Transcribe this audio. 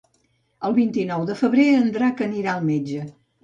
El vint-i-nou de febrer en Drac anirà al metge.